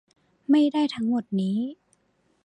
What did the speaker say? ไม่ได้ทั้งหมดนี้